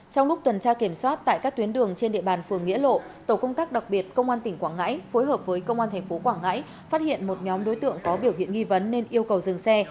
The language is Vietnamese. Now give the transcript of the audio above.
trong lúc tuần tra kiểm soát tại các tuyến đường trên địa bàn phường nghĩa lộ tổ công tác đặc biệt công an tỉnh quảng ngãi phối hợp với công an tp quảng ngãi phát hiện một nhóm đối tượng có biểu hiện nghi vấn nên yêu cầu dừng xe